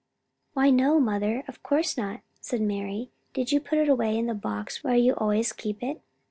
"Why, no, mother, of course not," said Mari. "Didn't you put it away in the box where you always keep it?"